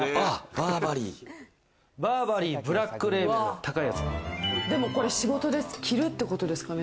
バーバリーブラックレーベルこれ仕事できるってことですかね。